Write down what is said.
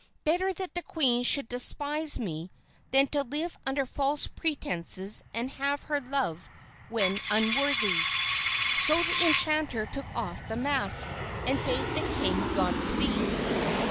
Better that the queen should despise me than to live under false pretenses and have her love when unworthy." So the enchanter took off the mask, and bade the king good speed.